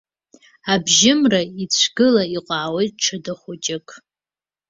Абжьымра ицәгыла иҟаауеит ҽада хәҷык.